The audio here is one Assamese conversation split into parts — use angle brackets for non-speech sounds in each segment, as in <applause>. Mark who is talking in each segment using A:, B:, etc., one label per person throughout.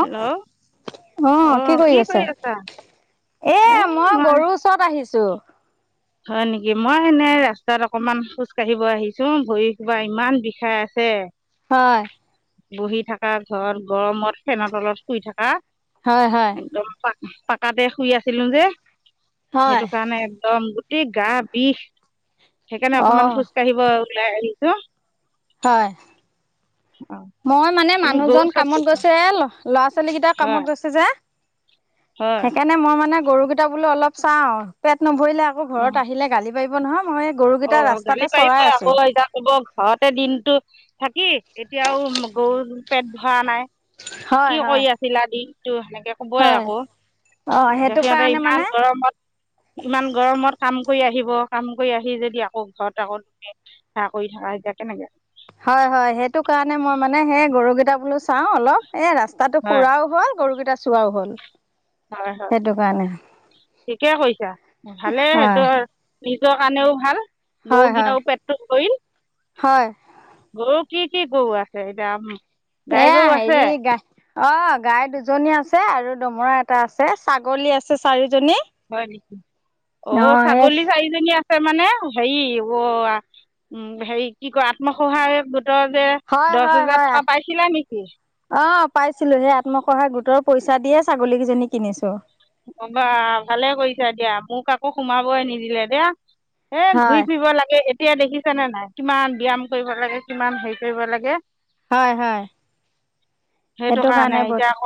A: হেল্ল'
B: অহ কি কৰি আছে? এয়া মই গৰুৰ ওচৰত আহিছোঁ।
A: হয় নেকি, মই এনে ৰাস্তাত অকনমান খোজ কাঢ়িব আহিছোঁ ভৰি সূপা ইমান বিষাই আছে।
B: হয়।
A: বহি থকা ঘৰত গৰমত ফেনত তলত শুই থকা।
B: হয় হয়।
A: একদম পা পাকাতে শুই আছিলো যে।
B: হয়।
A: সেইটো কাৰণে একদম গোটেই গা বিষ। সেইকাৰণে অকনমান
B: অ'
A: খোজকাঢ়িব উলাই আহিছোঁ।
B: হয়। মই মানে
A: তুমি গৰু
B: মানুহজন
A: চত
B: কামত
A: দিছা
B: গৈছে এ ল'ৰা ছোৱালী কেইটাৰ
A: হয়
B: কামত গৈছে যে।
A: হয়
B: সেইকাৰণে মই মানে গৰুকেইটা বোলে অলপ চাওঁ পেট ন ধৰিলে আকৌ ঘৰত আহিলে গালি পাৰিব নহয়। মই এই গৰুকেইটা
A: অঁ গালি
B: ৰাস্তাতে চৰাই
A: পাৰিবই
B: আছো।
A: আকৌ এতিয়া ক'ব ঘৰতে দিনটো থাকি এতিয়াও গৰু পেট ভৰা নাই। কি
B: হয়, হয়,
A: কৰি আছিল আদি ত' সেনে কে ক'বই
B: হয়।
A: আকৌ
B: অ'
A: যে
B: সেইটো
A: সিহঁতে
B: কাৰণে
A: ইমান
B: মানে
A: গৰমত- ইমান গৰমত কাম কৰি আহিব কাম কৰি আহি যদি আকৌ ঘৰত আকৌ লোকে সেৱা কৰি থাকা এতিয়া কেনেকে
B: হয়-হয় সেইটো কাৰণে মই মানে সেই গৰুকেইটা বোলো চাওঁ অলপ। এ ৰাস্তাটো
A: হয়
B: ফুৰাও হ'ল গৰুকেই কেইটা চোৱাও হ'ল।
A: হয় হয়
B: সেইটো কাৰণে।
A: ঠিকে কৈছা। ভালে সেইটো
B: হয়।
A: নিজৰ কাৰণেও ভাল।
B: হয়
A: গৰু
B: হয়
A: কিটাৰো পেটটো ভৰিল,
B: হয়
A: গৰু কি কি গৰু আছে এতিয়া গাই
B: এয়া
A: গৰু আছে
B: হেৰি গা অঁ গাই দুজনী আছে আৰু দমৰা এ এটা আছে ছাগলী আছে চে চাৰি
A: হয় নেকি, অঁ
B: এই
A: ছাগলী চাৰিজনী আচ মানে হেৰি অঁ উম হেৰি কি কয় আত্মসহায়ক গোটৰ যে
B: হয়
A: দহ
B: হয়-
A: হেজাৰ
B: হয়,
A: টকা পাইছিলা নেকি
B: অঁ পাইছিলো সেই আত্মসহায়ক গোটৰ পইচা দিয়ে ছাগলীকেইজনী কিনিছো।
A: অ'বা ভালে কৰিছা দিয়া মোক আকৌ সোমাবই নিদিলে দিয়া। এ ঘূৰি
B: হয়
A: ফুৰিব লাগে এতিয়া দেখিছেনে নাই কিমান ব্যায়াম কৰিব লাগে কিমান হেৰি কৰিব লাগে।
B: হয়- হয় সেইটো কাৰণে বহুত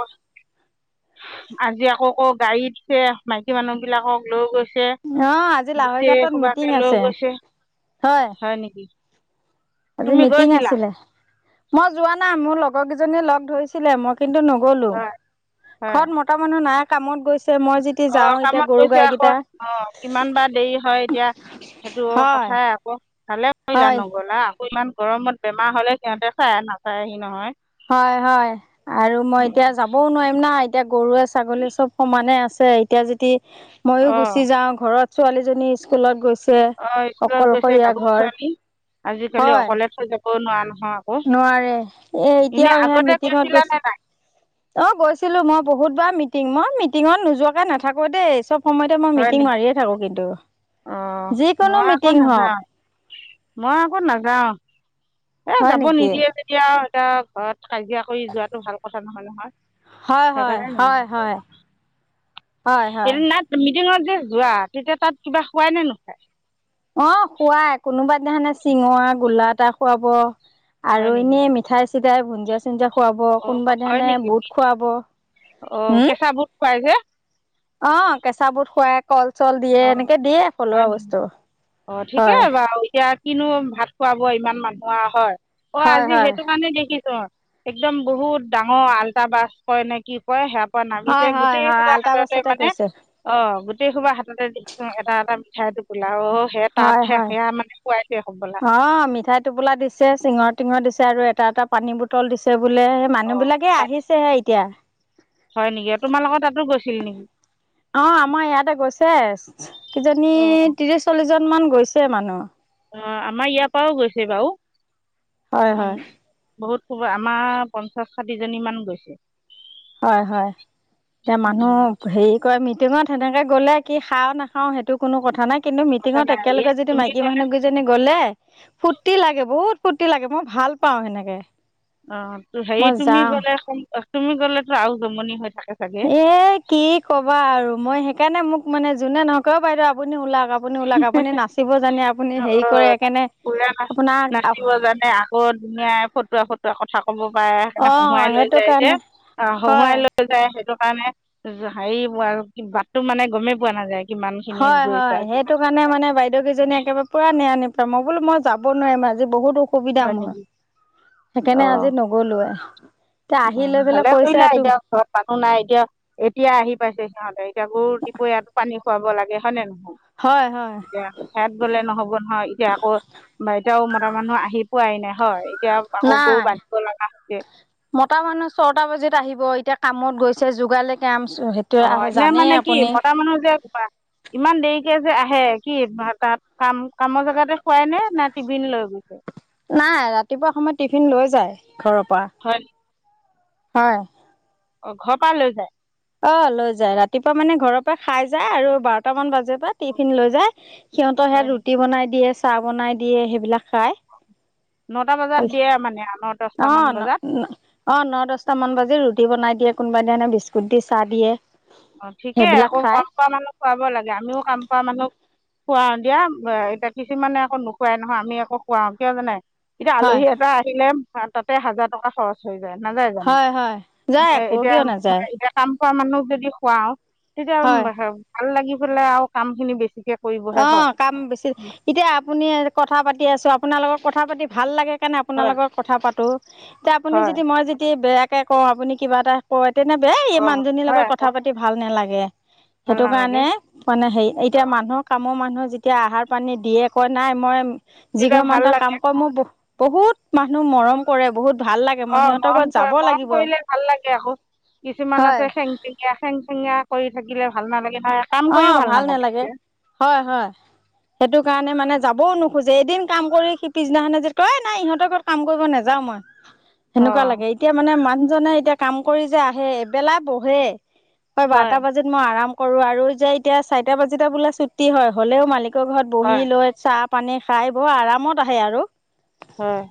A: আজি আকৌ ক' গাড়ীতছে মাইকী মানুহ বিলাকক লৈ গৈ
B: অঁ আজি লাহৈ ঘাটত মিটিং
A: লৈ
B: আছে,
A: গৈছে
B: হয়। আজি
A: তুমি
B: মিটিং
A: গৈছিলা
B: আছিলে, মই যোৱা নাই মোৰ লগৰ কিজ জনিয়ে লগ ধৰিছিলে মই কিন্তু নগ'লো,
A: হয় হয়
B: ঘৰত মতা মানুহ নাই কামত গৈছে। মই যেতিয়া
A: অ
B: যাওঁ এতিয়া
A: কামত
B: গৰু
A: গৈছোঁ আকৌ
B: গাইকেইটা
A: অ কিমান বা দেৰি হয় এতিয়া সেইটো
B: হয়
A: কথাই আকৌ ভালে কৰিলা
B: হয়
A: নগ'লা। ইমান গৰমত বেমাৰ হলে সিহঁতে খাই নাচায়হি নহয়।
B: হয় হয় আৰু মই এতিয়া যাবও নোৱাৰিম না। এতিয়া গৰুৱে ছাগলী চব সমানে আছে। ছে এতিয়া যদি ময়ো
A: অ
B: গুচি যাও ঘৰত ছোৱালীজনী স্কুলত গৈছ
A: অ স্কুলত গৈছে গাভৰু ছোৱালী, আজিকালি
B: হয়
A: অকলে থৈ যাব কনোৱাৰ নহ
B: নোৱাৰে এ এতিয়াও সে
A: আগতে
B: মিটিঙত
A: গৈছিলা নে নাই
B: গৈছ অঁ গৈছিলো মই বহুতবাৰ মি টিঙ মই মিটিঙত নোযোৱাকে নাথাকো দেই চব সময়তে মই
A: হয়
B: মিটিং
A: নি
B: মাৰিয়ে থাকো
A: অ
B: কিন্তু যিকোনো
A: মই আকৌ
B: মিটিং হওঁক।
A: নাযাওঁ <unintelligible> এ যাব নিদিয়ে যেতিয়া আঁও এতিয়া ঘৰত কাজিয়া কৰি যোৱাটো ভাল কথা নহয় নহয়।
B: হয় হয়
A: সেইকাৰণে
B: হয় হয়। হয় হয়।
A: সেইদিনা মিটিঙত যে যোৱা তেতিয়া তাত কিবা খোৱাই নে নোখোৱায়।
B: অঁ কোৱা কোনোবাই সেদিনাখনে চিঙৰা গোলা এটা খুৱাব।
A: হয়
B: আৰু
A: নেকি
B: ইনেই মিঠাই তেতিয়াই ভুনজীয়াচ যে খুৱাব
A: অ
B: কোনোবা
A: হয়
B: দিনাখনে
A: নেকি
B: বুহুত খুৱাব।
A: অ
B: হুম
A: কেঁচা বুট খুৱাই যে
B: অ, কেঁচা বুত খুৱাই। কল চল দিয়ে
A: অ
B: এনেকে দিয়ে
A: হয়
B: থলুৱা
A: নেকি
B: বস্তু
A: অ
B: হয়।
A: ঠিকেই বাৰু এতিয়া কিনো ভাত খোৱাব ইমান মানুহৰ হয়। অ,
B: হয়,
A: আজি
B: হয়,
A: সেইটো কাৰণে দেখিছ। একদম বহুত ডাঙৰ আল্টা বাছ কয় নে কি কয় সেয়া। নাগিছে
B: হয়, হয়,
A: গোটেই
B: হয়,
A: খোবা
B: আল্টা
A: হাততে
B: বাছতে
A: মানে
B: গৈছে
A: অ, গোটেই খোবা হাত, দেখিছো এটা-এটা মিঠাইটো পৰি,
B: হয়-হয়
A: হ'বলা
B: অ, মিঠাই টোপোলা দিছে চিঙৰ টিঙৰ দিছে। আৰু এটা-এটা পানী বটল দিছে। বোলে সেই
A: অ
B: মানুহ বিলাকে আহিছেহে এতিয়া।
A: হয় নেকি আৰু তোমাৰ লগত তাতো গৈছিল নেকি?
B: অ, আমাৰ ইয়াতে গৈছে কিজনী
A: অ
B: ত্ৰিশ চল্লিশ জন মানু্হ গৈছে মানুহ।
A: অ, আমাৰ ইয়াৰ পৰাও গৈছে বাৰু।
B: হয়,
A: অ,
B: হয়।
A: বহুত খুব আমাৰ পঞ্চাশ ষাঠি জনী মান গৈছে।
B: হয় হয় এতিয়া মানুহ
A: উম,
B: হেৰি কৰে মিটিঙত, সেনেকে গ'লে কি খাওঁ নাখাও সেইটো কোনো কথা কথা নাই কিন্তু
A: কথা
B: মিটিঙত
A: নাই এই
B: একেলগে যদি মাইকী
A: তুমি
B: মানুহ কেইজনী গ'লে, ফুৰ্তি লাগে বহুত ফুৰ্তি লাগে মই ভাল পাওঁ সেনেকে।
A: অ হেৰি
B: মই
A: তুমি
B: যাওঁ
A: গলে তুমি গলে আৰু যমনি হয়।
B: এই কি কবা আৰু মই সেই সেইকাৰে মানে যোনে নহওঁক, অ বাইদেউ আপুনি ওলাওক আপুনি ওলাক আপুনি নাচিব জানে আপুনি
A: অ
B: হেৰি কৰে এইকেনে
A: পুৰা নাচ-
B: আপোনাক
A: ফটুৱা ফটুৱা কথা কব পাৰে, সেই
B: অ
A: হহোঁৱাই লৈ
B: সেইটো
A: যায় যে
B: কাৰণে
A: হহোঁৱাই
B: হয়
A: লৈ যায় সেইটো কাৰণে হেৰি আৰু বাটটো মানে গমেই পোৱা নাযায়। কিমান খিনিয়ে গৈছা।
B: টো
A: কিমানখিনি
B: কাৰণে
A: নাই
B: মানে বাইদেউকেইজনীয়ে একেবাৰে পোৰা নেৰা নেপেৰা, মই বোলো মই যাব নোৱাৰিম আজি বহুত অসুবিধা
A: হয়
B: মই
A: নেকি অ
B: সেইকাৰণে আজি নগলোৱে এতিয়া আহি লৈ পেলাই
A: ভালে
B: কৈছে
A: কৰিলা
B: এইটো
A: এতিয়া ঘৰত মানুহ নাই এতিয়া এতিয়া আহি পাইছে সিহঁতে এতিয়া গৰু দুপৰীয়াটো পানী খুৱাব লাগে হয় নে
B: হয় হয়
A: নহয় এতিয়া সেয়াত গলে নহব নহয় এতিয়া আকৌ বাইতাও মত মতা মানুহ আহি পোৱাই নাই হয় এতিয়া আকৌ গৰু
B: নাই
A: বান্ধিব লগা হৈছে
B: মতা মানুহ ছটা বজাত আহিব এতিয়া কামত গৈছে যোগালি
A: অ এনে মানে কি মতা মানুহ যে <unintelligible> ইমান দেৰিকে যে আহে কি তাত কাম কামৰ জেগাতে খুৱাই নে নে টিফিন লৈ গৈছে
B: নাই ৰাতিপুৱা সময়ত টিফিন লৈ যায় ঘৰৰ পৰা
A: হয়
B: হয়।
A: ঘৰপাই লৈ যায়।
B: অ' লৈ যায়, ৰাতিপুৱা মানে ঘৰৰপা খাই যায় আৰু বাৰটা মান বাজেত টিফিন লৈ যায়। সিহঁতৰ সেয়াত
A: হয় নেকি
B: ৰুটি বনাই দি আছে চা বনাই দিয়ে সেইবিলাক খায়
A: নটা বজাত দিয়ে মানে ন
B: অ
A: দহটামান
B: ন
A: বজাত
B: ন অ ন দছটামান বাজিত ৰুটি বনাই দিয়ে কোনোবা দিনাখনে বিস্কুট দি চাহ দিয়ে
A: অ ঠিকে
B: সেইবিলাক
A: আকৌ
B: খায়
A: কাম কৰা মানুক খোৱাব লাগে, আমিও কাম কৰা মানুক খুৱাওঁ দিয়া, এতিয়া কিছুমানে আকৌ নুখুৱাই নহয় আমি আকো খুৱাওঁ, কিয় জানে? এতিয়া
B: হয়
A: আলহী এটা আহিলে অ তাতে হাজাৰ টকা খৰচ হৈ যায়, নাযায় জানো?
B: হয় হয়
A: উ
B: যায়
A: এ
B: আকৌ
A: এতিয়া
B: কিয় নাযায়
A: এতিয়া কাম <unintelligible> মানুহক যদি খুৱাওঁ তেতিয়া
B: হয়
A: <inaudible> ভাল লাগি <unintelligible> আও কাম খিনি বেছিকে
B: অ', কাম বেছি। এতিয়া আপুনিয়ে কথা পাতি আছো আপ পোনালোকৰ কথা পাতি ভাল লাগে সেণে আপোনাৰ
A: হয়
B: লগত কথা পাতোঁ। তিয়া আপুনি
A: হয়
B: যদি মই যদি বেয়াক তাকে কওঁ, আপুনি কিবা এটা কয় তেনে বে এই
A: অঁ
B: মানুজনীৰ লগত
A: হয়
B: কথা
A: আকৌ
B: পাতি ভাল নালাগ এহ
A: ভাল
B: সেইটো
A: নালাগে
B: কাৰণে, মানে হেৰি এতিয়া
A: অঁ
B: মানুহক <unintelligible> মানুহে যেতিয়া আহাৰ পানী দিয়ে কয় নাই মই
A: তেতিয়া
B: যিঘৰ
A: ভাল
B: মানতে কাম
A: লাগে
B: কৰে মই বহ বহুত মানুহ মৰম কৰে, বহুত ভাল লাগে মই
A: অ
B: সিহঁতৰ
A: মৰম
B: ঘৰত যাব
A: কৰে, মৰম
B: লাগিব
A: কৰিলে ভাল লাগে আকৌ। কিছুমান
B: হয়
A: আছে সেং সেঙীয়া। সেংসেঙীয়া কৰি থাকিলে ভাল নালাগে নহয় কাম কৰিও
B: অ', ভাল নালাগে।
A: তেতিয়া
B: হয় হয় সেইটো কাৰণে মানে যাবও নোখোঁজে, এদিন কাম কৰি সি পিছদিনাখনে যদি কয়, এ নাই ইহঁতৰ ঘৰত কাম কৰিব নাযাওঁ‌ মই। সেনেকুৱা
A: অঁ
B: লাগে। এতিয়া মানে মান জনে এতিয়া কাম কৰি যে আহে এবেলা বহে হয় বাৰটা বজাত মই আৰাম কৰো আৰু যে এতিয়া চাৰটা বাজিলে বোলা ছুটি হয় হলেও মালিক কৰ ঘৰত
A: হয়
B: বহি লৈ চাপ পানী খাই, বৰ আৰামত আহে আৰু।
A: হয়,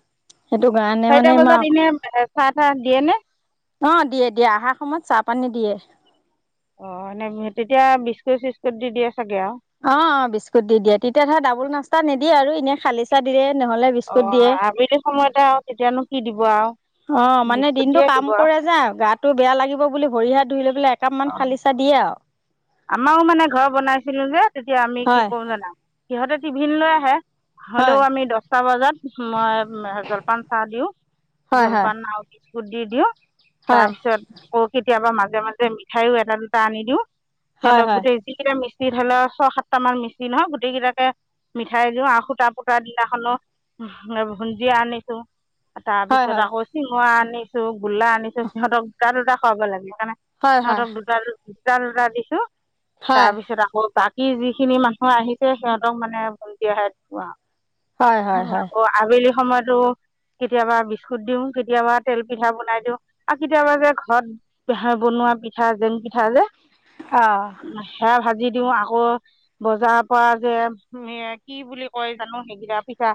B: সেইটো কাৰণে মানে
A: চাৰিটা
B: ইমান
A: বজাত এনে চাহ - তাহ দিয়ে নে?
B: অ' দিয়ে - দিয়ে অহাৰ সময়ত চাহ পানী দিয়ে।
A: অ' এনে তেতিয়া বিস্কুট- চিস্কুট দি দিয়ে। চাগে আৰু
B: অ' অ' বিস্কুট দি দিয়ে, তেতিয়া ধৰা ডাবুল নাস্তা নিদ দিয় আৰু এনে খালি চাহ দিয়ে। নহ'লে বিস্কুট দিয়ে
A: অ' আবেলি সময়তে আৰু তেতিয়ানো কি দিব। দিব আৰু।
B: অ' মানে
A: বিস্কুট
B: দিনটো
A: দিয়ে
B: কাম কৰে যে গাটো বেয়া লাগিব বুলি ভৰিহা ধুই লৈ বলে একাপ মন
A: অঁ
B: খালি চাহ দিয়ে। অঁ।
A: আমাৰো মানে ঘৰ বনাইছিলো যে তেতিয়া আমি কি
B: হয়
A: কৰো জানা? সিহঁতে টিফিন লৈ আহে।
B: হয়
A: হলেও আমি দছটা বজাত মই জলপান চাহ দিও,
B: হয় হয়
A: জলপান আৰু কি ফু দি দিয় <inaudible> তাৰপিছত ক'ত কেতিয়াবা মাজে মাজে মিঠাইও এটা দুটা আনি দিওঁ। সিহঁত
B: হয় হয়
A: গোটেই যি কেইটা মিস্ত্ৰী সিধৰি লওঁ, ছয় সাতটা মান মিস্ত্ৰী নহ গোটেই কেইটাকে মিঠাই দিওঁ আৰু সূতা পুতাৰ দিনাখনো ভুঞ্জিয়া আনিছোঁ।
B: হয় হয়
A: তাৰপিছত
B: হয়
A: আকৌ চিঙৰা আনিছোঁ। গোল্লা আনিছোঁ। সিহঁতক দুটা দুটা খোৱাব লাগিব। সেইকাৰণে
B: হয় হয়
A: সিহঁতক দুটা দুটা দুটা দুটা দিছোঁ।
B: হয়
A: তাৰপিছত আকৌ তাক সি যিখিনি মানুহ আহিছে, সিহঁতক মানে ভূঞ্জিয়াহে দিছোঁ আহ।
B: হয় হয়
A: অ'
B: হয়
A: আকৌ আবেলি সময়তো কেতিয়াবা বিস্কুট দিও কেতিয়াবা তেল পিঠা বনাই দিওঁ আ কেতিয়াবা যে ঘৰত বনোৱা পিঠা জেং পিঠা যে
B: অ
A: হেয়া ভাজিত দিও আকৌ বজাৰৰ পৰা যে কি বুলি কয় জানো সেইকেইটা পিছা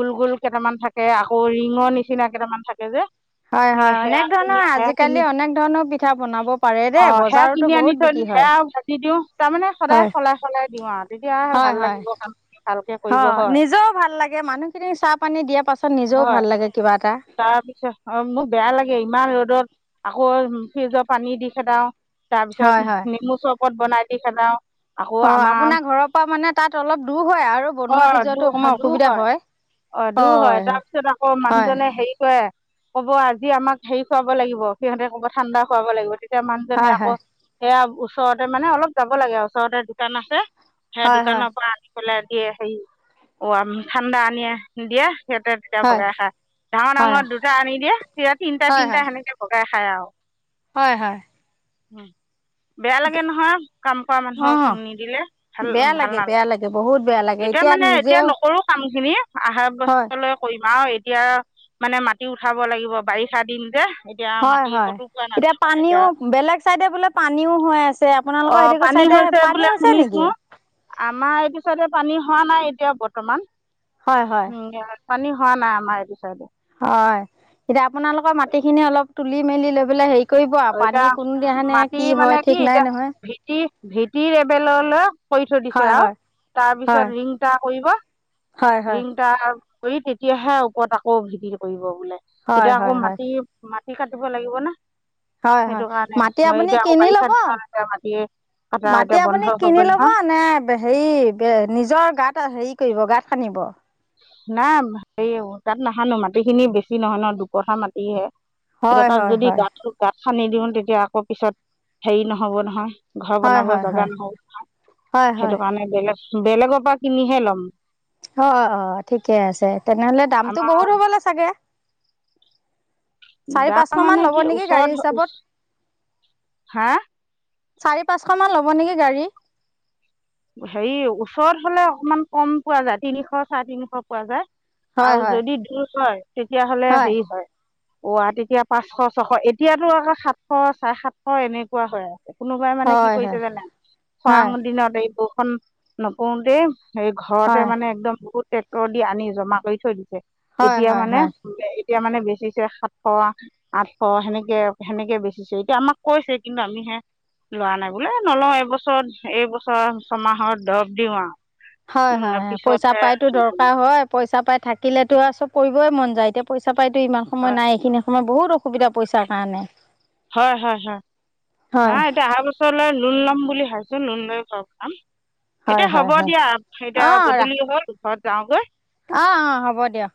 A: গোল গোল কেইটামান থাকে আকৌ ৰিঙৰ নিচিনা কেইটামান থাকে যে।
B: হয়
A: এ
B: হয়,
A: সেয়া
B: অনেক
A: কিনি
B: ধৰণৰ
A: সেয়া কিনি
B: আজিকালি অনেক ধৰণৰ পিঠা বনাব পাৰে দেই
A: অঁ সেয়া কিনি
B: বজাৰতো
A: আনি
B: বহুত
A: থৈ দিওঁ,
B: বিকি
A: সেয়া আৰু ভাজি দিওঁ তাৰমানে সদায় সলাই সলাই দিওঁ আৰু। তেতিয়া
B: হয়
A: ভাল
B: হয়,
A: লাগিব কামখিনি ভালকে কৰিব
B: অ'
A: হয়
B: নিজেও ভাল লাগে মানুহখিনিক চাহ পানী দিয়া পাছত। নিজেও
A: হয়,
B: ভাল লাগে কিবা এটা
A: তাৰপিছত অ' মোক বেয়া লাগে ইমান ৰড ৰত, আকৌ ফ্ৰিজৰ পানী দি খেদাও। তাৰ
B: হয়
A: পিছত
B: হয়
A: নেমু চব পত বনাই দি খেলাও।
B: অ' আপোনাৰ ঘৰৰ পা মানে তাত অলপ দু
A: অ' দু হ দুৰ হয়, অ' দুৰ হয়, তাৰপিছত আকৌ মানুহজনে হেৰি কৰে কব আজি আমাক হেৰি খুৱাব লাগিব সিহঁতে কব ঠাণ্ডা খুৱাব লাগিব তে তিয়া মানুহ জনে
B: হয়
A: আকৌ
B: হয়
A: সেয়া ওচৰতে মানে, অলপ যাব লাগে, ওচৰতে দোকান আছে। সেই
B: হয় হয়
A: দোকানৰ পৰা আনি <inaudible> সেই এই হেৰী, ঠাণ্ডা আনেিয় দিয়া। সিহঁতে তেতিয়া
B: হয়
A: ভগাই খাই, ডাঙৰ
B: হয়
A: ডাঙৰ দুটা আনি দিয়ে, তেতিয়া তিনিটা
B: হয় হয়
A: তিনিটা
B: হয়
A: সেনেকে ভগাই খাই। খাই আৰু।
B: হয়, হয়।
A: উম। বেয়া লাগে নহয়, কাম কৰা মানুহকো
B: অঁ
A: নিদিলে, ভাল
B: বেয়া
A: ভাল
B: লাগে বেয়া
A: নালাগে।
B: লাগে বহুত বেয়া লাগে
A: এতিয়া মানে এতিয়া
B: নিজেও
A: নকৰো কাম নি আহা
B: হয়
A: বছৰলৈ কৰিম আউ এত এতিয়া, মানে মাটি উঠাব লাগিব বাৰিষা দিন যে। এতিয়া
B: হয়,
A: মাটি
B: হয়,
A: ক'তো পোৱা
B: এতিয়া
A: নাযায় মানে
B: পানীও, বেলেগ চাইডে বোলে পানীও হৈ আছে আপোনালোকৰ
A: অ',
B: সেইটো
A: পানী
B: চাইডে
A: হৈছে
B: পানী
A: বোলে
B: হৈছে নেকি
A: শুনিছো। আমাৰ এইটো চাইদে পানী হোৱা নাই এতিয়া বৰ্তমান।
B: হয় হয়
A: উম <unintelligible> পানী হোৱা নাই আমাৰ এটো
B: হয়। এতিয়া আপোনালোকৰ মাটি খিনি অলপ তুলি মেলি লৈ পেলাই হেৰি কৰিব আৰু।
A: এতিয়া
B: পানী কোনদিন আহে কি হয় ঠিক নাই নহয়।
A: ভিটিৰ লেবেললৈ কৰি থৈ দিছো
B: হয়
A: আৰু।
B: হয়
A: তাৰপিছত ৰিংটা কৰিব।
B: হয় হয় হয়
A: ৰিংটাৰ কৰি তেতিয়াহে ওপৰত আকৌ ভিতিটো কৰিব। বোলে,
B: হয়
A: এতিয়া
B: হয়
A: আকৌ
B: হয়
A: মাটি মাটি কাটি ইব লাগিব ন।
B: হয়
A: সেইটো
B: হয়।
A: কাৰণে
B: মাটি
A: মই
B: আপুনি
A: এতিয়া আকৌ
B: কিনি
A: বাৰিষা
B: ল'ব,
A: দিনত এতিয়া মাটি কটা
B: মাটি
A: এতিয়া বন্ধ
B: আপুনি
A: হৈ
B: কিনি
A: গ'ল
B: ল'ব
A: নহয়
B: নে হেৰি নিজৰ গাত হেৰি কৰিব গাত খানিব?
A: না হেৰি হব গাঁত নাখানো মাটি খিনি বেছি নহয় নহয় দুকঠা মাটিহে। এতিয়া
B: হয়
A: তাত
B: হয়
A: যদি
B: হয়
A: গাঁতটো খান্দি দিওঁ তেতিয়া আকৌ পিছত হেৰি নহ'ব নহয়। ঘৰ
B: হয়
A: বনাব
B: হয়
A: জাগা
B: হয়
A: নহ'ব,
B: হয়
A: সেইটো
B: হয়
A: কাৰণে বেলেগ বেলেগৰ পৰা কিনিহে ল'ম।
B: হয়। অঁ ঠিকে আছে তেনেহ'লে দামটো
A: আমাৰ
B: বহুত হ'বলা চাগে? চাৰি
A: দাম
B: পাঁচশ মান
A: মানে
B: ল'ব
A: কি
B: নেকি গাড়ী
A: ওচৰত
B: হিচাপত
A: ওচৰ, হা?
B: চাৰি পাঁচশ মান ল'ব নেকি গাড়ী
A: হেৰি ওচৰত হ'লে অকমান কম পোৱা যায়। তিনিশ চাৰে তিনিশ পোৱা যায়।
B: হয়
A: আৰু
B: হয়
A: যদি দূৰ হয় তেতিয়াহ'লে হেৰি হয়। অ'আ তেতিয়া পাচশ, ছশ এতিয়াতো সাতশ, চাৰে সাতশ এনেকোৱা হৈ আছে। কোনোবাই মানে কি
B: হয় হয়
A: কৰিছে জানা
B: হয়
A: খৰাঙৰ দিনত এই বৰষুণ নপৰোতে সেই
B: হয়
A: ঘৰতে মানে একদম বহুত ট্ৰেক্টৰ দি আনি জমা কৰি থৈ দিছে।
B: হয়
A: এতিয়া
B: হয়
A: মানে
B: হয়
A: এতিয়া মানে বেচিছে সাতশ, আঠশ সেনেকে, সেনেকে বেচিছে এতিয়া আমাক কৈছে কিন্তু আমি হে লোৱা নাই বোলো এ নলও এইবছৰ এইবছৰ ছমাহত দৰব দিও আৰু।
B: হয়,
A: উম
B: হয়, হয় পইচা
A: পিছতহে
B: পাইতো দৰকাৰ হয় পইচা পাই থাকিলেতো আৰু চব কৰিবই মন যায় এতিয়া পইচা এতিয়া ইমান সময় নাই এইখিনি তোমাৰ বহুত অসুবিধা পইচাৰ কাৰণে।
A: হয়, হয়, হয়,
B: হয়
A: নাই এতিয়া অহা বছৰলৈ লোণ লম বুলি ভাবিছোঁ লোন লয় ঘৰ বনাম।
B: হয়
A: এতিয়া হ'ব
B: হয় হয়
A: দিয়া এতিয়া গধূলি হ'ল। ঘৰত যাওঁ গৈ।
B: অ', অ', হ'ব দিয়া।